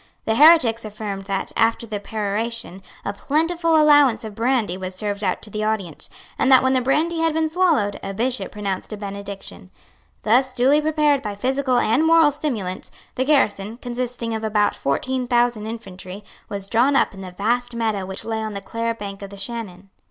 The heretics affirmed that, after the peroration, a plentiful allowance of brandy was served out to the audience, and that, when the brandy had been swallowed, a Bishop pronounced a benediction. Thus duly prepared by physical and moral stimulants, the garrison, consisting of about fourteen thousand infantry, was drawn up in the vast meadow which lay on the Clare bank of the Shannon.